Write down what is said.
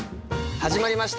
始まりました。